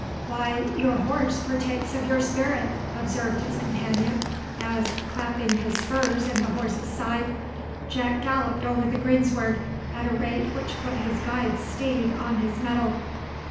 "Why, your horse partakes of your spirit," observed his companion, as, clapping his spurs in the horse's side, Jack galloped over the greensward at a rate which put his guide's steed on his mettle.